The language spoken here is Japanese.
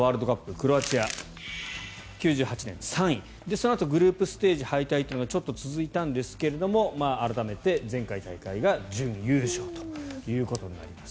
クロアチアは９８年、３位そのあとグループステージ敗退というのがちょっと続いたんですが改めて前回大会が準優勝ということになります。